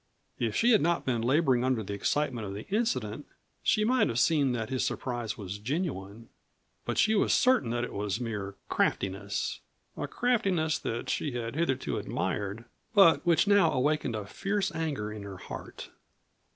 If she had not been laboring under the excitement of the incident she might have seen that his surprise was genuine, but she was certain that it was mere craftiness a craftiness that she had hitherto admired, but which now awakened a fierce anger in her heart.